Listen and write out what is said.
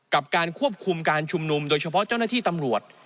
กับการควบคุมการชุมนุมโดยเฉพาะเจ้าหน้าที่ตำรวจ